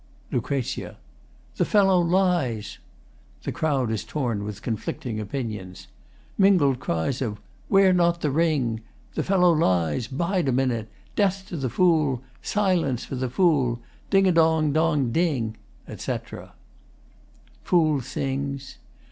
LUC. The fellow lies. [The crowd is torn with conflicting opinions. Mingled cries of 'Wear not the ring!' 'The fellow lies!' 'Bide a minute!' 'Death to the Fool!' 'Silence for the Fool!' 'Ding a dong, dong, ding!' etc.] FOOL [Sings.